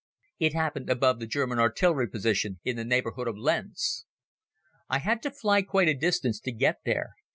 It happened above the German artillery position in the neighborhood of Lens. I had to fly quite a distance to get there.